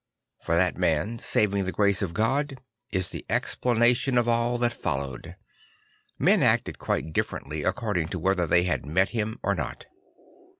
For that man, saving the grace of God, is the explanation of all that followed; nlen acted quite differently according to whether they had met him or not.